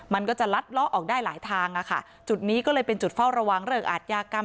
มันก็จะลัดเลาะออกได้หลายทางอะค่ะจุดนี้ก็เลยเป็นจุดเฝ้าระวังเรื่องอาทยากรรม